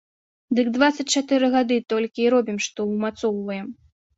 Дык дваццаць чатыры гады толькі і робім, што ўмацоўваем.